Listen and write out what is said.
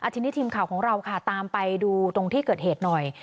ทีนี้ทีมข่าวของเราค่ะตามไปดูตรงที่เกิดเหตุหน่อย